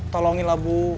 tolongin lah bu